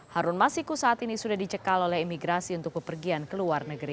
harun masiku saat ini sudah dicekal oleh imigrasi untuk pepergian ke luar negeri